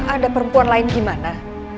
ada perempuan lain gimana